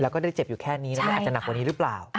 แล้วก็ได้เจ็บอยู่แค่นี้แล้วมันอาจจะหนักกว่านี้หรือเปล่า